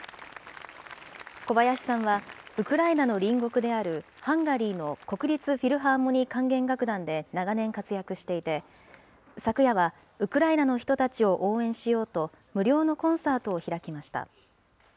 小林さんは、ウクライナの隣国であるハンガリーの国立フィルハーモニー管弦楽団で長年活躍していて、昨夜はウクライナの人たちを応援しようと、無料のコンサートを開きました。